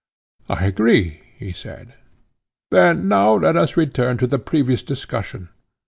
I agree, he said. Then now let us return to the previous discussion.